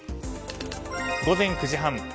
午前９時半。